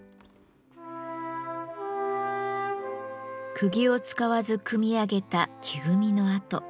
くぎを使わず組み上げた木組みの跡。